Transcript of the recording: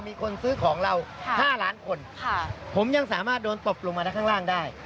มีคนซื้อของเรา๕ล้านคนผมยังสามารถโดนตบลงมาข้างล่างได้